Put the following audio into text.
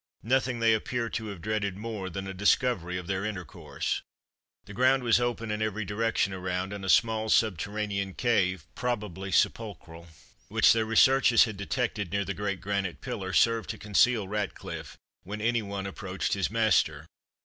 Nothing they appear to have dreaded more than a discovery of their intercourse. "The ground was open in every direction around, and a small subterranean cave, probably sepulchral, which their researches had detected near the great granite pillar, served to conceal Ratcliffe, when any one approached his master.